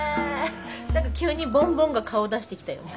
何か急にボンボンが顔出してきたよね。